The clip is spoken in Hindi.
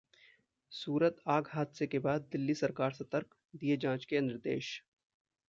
सूरत आग हादसे के बाद दिल्ली सरकार सतर्क, दिए जांच के निर्देश